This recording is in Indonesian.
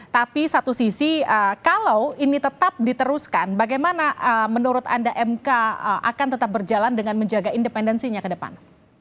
tapi satu sisi kalau ini tetap diteruskan bagaimana menurut anda mk akan tetap berjalan dengan menjaga independensinya ke depan